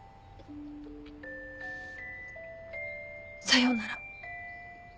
さようなら。